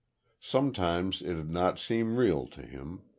Sometimes it did not seem real to him.